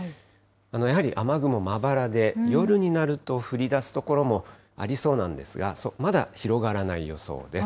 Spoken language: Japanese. やはり雨雲まばらで、夜になると降りだす所もありそうなんですが、まだ広がらない予想です。